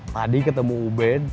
tadi ketemu ubed